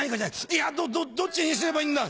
「いやどどっちにすればいいんだ！」。